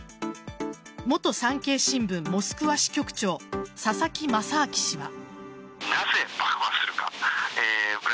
元産経新聞モスクワ支局長・佐々木正明氏は。